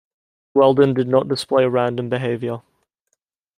Weldon did not display "random" behavior.